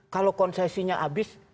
kalau konsesinya habis